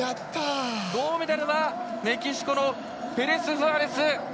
銅メダルはメキシコのペレスフアレス。